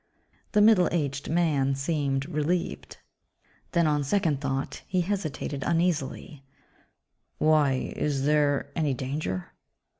The middle aged man seemed relieved. Then, on second thought, he hesitated uneasily, "Why? Is there any danger?"